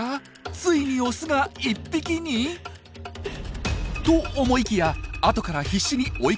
ついにオスが１匹に？と思いきや後から必死に追いかけてきます。